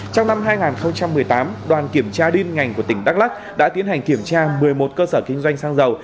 trong năm hai nghìn một mươi tám đoàn kiểm tra liên ngành của tỉnh đắk lắc đã tiến hành kiểm tra một mươi một cơ sở kinh doanh xăng dầu